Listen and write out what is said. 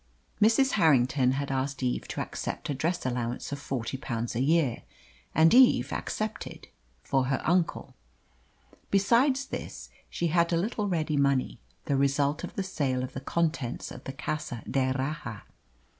Mrs. Harrington had asked Eve to accept a dress allowance of forty pounds a year, and Eve accepted for her uncle. Besides this she had a little ready money the result of the sale of the contents of the Casa d'Erraha.